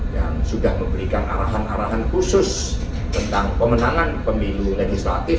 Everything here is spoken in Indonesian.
yang sudah memberikan arahan arahan khusus tentang pemenangan pemilu legislatif